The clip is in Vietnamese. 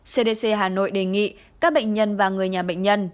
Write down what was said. cdc hà nội đề nghị các bệnh nhân và người nhà bệnh nhân